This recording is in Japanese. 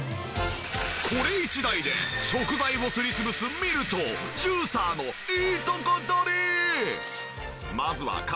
これ一台で食材をすり潰すミルとジューサーのいいとこ取り！